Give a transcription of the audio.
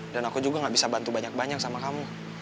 aku juga gak bisa bantu banyak banyak sama kamu